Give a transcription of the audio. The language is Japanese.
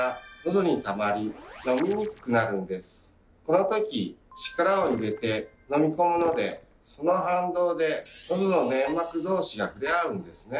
この時力を入れて飲み込むのでその反動でのどの粘膜同士が触れ合うんですね。